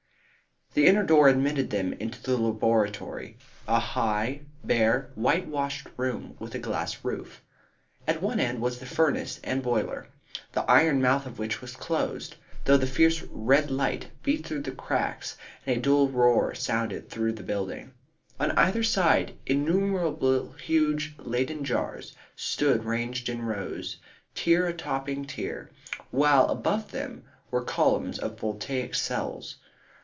The inner door admitted them into the laboratory, a high, bare, whitewashed room with a glass roof. At one end was the furnace and boiler, the iron mouth of which was closed, though the fierce red light beat through the cracks, and a dull roar sounded through the building. On either side innumerable huge Leyden jars stood ranged in rows, tier topping tier, while above them were columns of Voltaic cells.